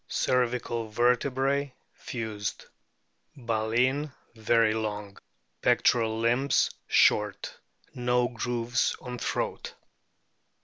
Cervical vertebrae fused. Baleen very long. Pectoral limbs short. No grooves on throat.